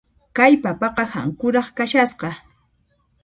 Kay papaqa hankuras kashasqa.